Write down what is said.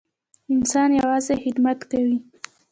انسان یوازې خدمت کوي.